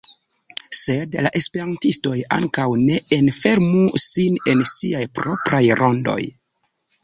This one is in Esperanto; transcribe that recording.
Sed la esperantistoj ankaŭ ne enfermu sin en siaj propraj rondoj.